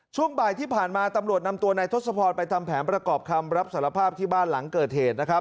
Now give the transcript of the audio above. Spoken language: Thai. ช่วงบ่ายที่ผ่านมาตำรวจนำตัวนายทศพรไปทำแผนประกอบคำรับสารภาพที่บ้านหลังเกิดเหตุนะครับ